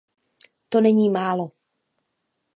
To není málo.